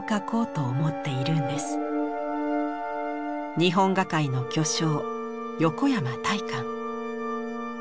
日本画界の巨匠横山大観。